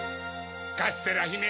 カステラひめ